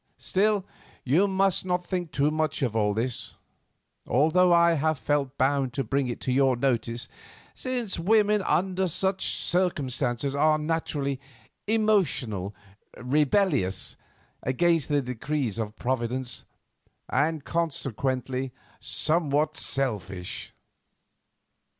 Still, you must not think too much of all this, although I have felt bound to bring it to your notice, since women under such circumstances are naturally emotional, rebellious against the decrees of Providence, and consequently somewhat selfish.